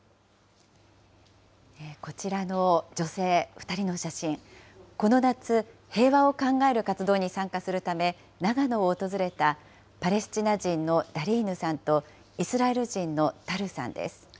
こちらの女性、２人の写真、この夏、平和を考える活動に参加するため長野を訪れた、パレスチナ人のダリーヌさんと、イスラエル人のタルさんです。